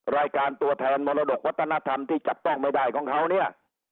รายการตัวแทนมรดกวัฒนธรรมที่จับต้องไม่ได้ของเขาเนี่ย